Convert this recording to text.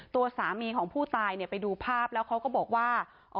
ตัวสามีของผู้ตายไปดูภาพแล้วเขาก็บอกว่า